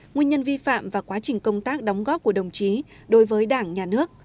nguyên nhân vi phạm và quá trình công tác đóng góp của đồng chí đối với đảng nhà nước